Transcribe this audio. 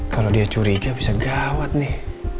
kalau dia curiga bisa gawat nih